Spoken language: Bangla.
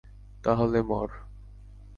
তাহলে মর।